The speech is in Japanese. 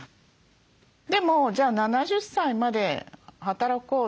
でも「じゃあ７０歳まで働こう。